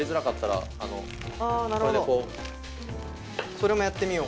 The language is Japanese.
それもやってみよう。